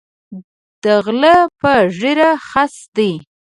د غلۀ پۀ ږیره خس دی